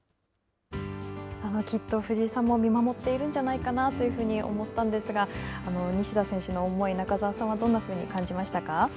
きっと藤井さんも見守っているいるんじゃないかなというふうに思ったんですが、この西田選手の思い、中澤さんはどんなふうに感じましたか。